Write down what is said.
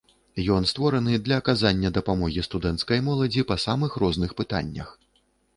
Ён створаны для аказання дапамогі студэнцкай моладзі па самых розных пытаннях.